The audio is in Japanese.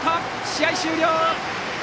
試合終了！